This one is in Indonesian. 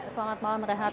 selamat malam rahat